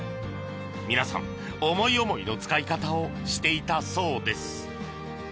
皆さん思い思いの使い方をしていたそうです。